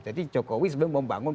jadi jokowi sebenarnya membangun